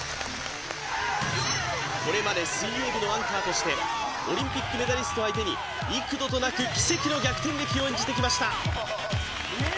これまで水泳部のアンカーとしてオリンピックメダリスト相手に幾度となく奇跡の逆転劇を演じてきました